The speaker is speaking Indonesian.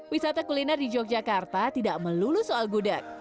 wisata kuliner di yogyakarta tidak melulu soal gudeg